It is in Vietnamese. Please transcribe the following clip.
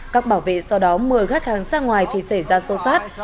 các bảo vệ sau đó mưa gắt hàng xa ngoài thì xảy ra sâu sát